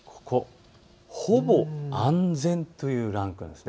ほぼ安全というランクなんです。